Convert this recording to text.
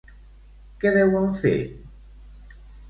Què deuen fer?